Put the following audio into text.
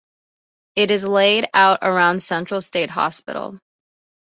It is laid out around Central State Hospital.